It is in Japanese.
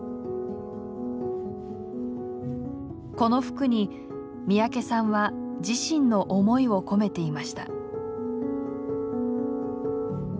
この服に三宅さんは自身の思いを込めていました。